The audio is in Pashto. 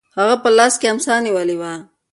هغه په لاس کې امسا نیولې وه.